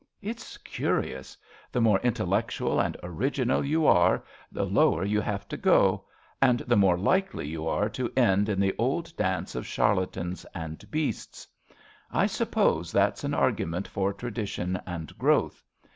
It's curious. The more intellectual and original you are, the lower you have to go, and the more likely you are to end in the old dance of charlatans and beasts. I suppose that's an argument for tradition and growth.